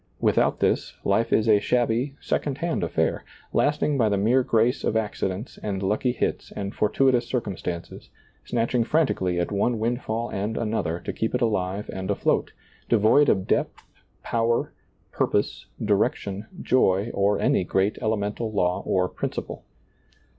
Without this, life is a shabby, second hand affair, lasting by the mere grace of accidents and lucky hits and fortuitous circumstances, snatching frantically at one windfall and another to keep it alive and afloat, devoid of depth, power, purpose, direction, joy, or any great elemental law or principle.